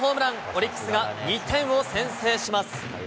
オリックスが２点を先制します。